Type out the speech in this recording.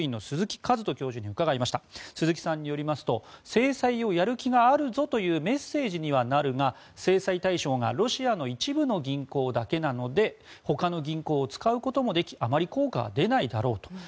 鈴木さんによりますと制裁をやる気があるぞというメッセージにはなるが制裁対象がロシアの一部の銀行だけなのでほかの銀行を使うこともできあまり効果は出ないだろうと。